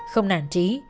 không nản trí